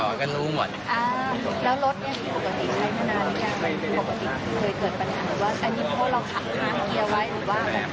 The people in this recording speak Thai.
พอมาถึงก็ใจร้อนสแตอนรถก่อน